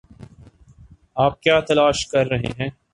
آپ کیا تلاش کر رہے ہیں؟